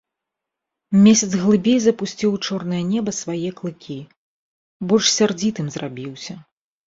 Месяц глыбей запусціў у чорнае неба свае клыкі, больш сярдзітым зрабіўся.